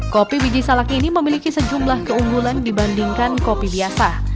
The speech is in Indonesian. kopi biji salak ini memiliki sejumlah keunggulan dibandingkan kopi biasa